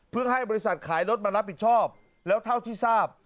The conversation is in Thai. ให้บริษัทขายรถมารับผิดชอบแล้วเท่าที่ทราบ